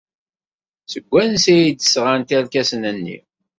Seg wansi ay d-sɣant irkasen-nni?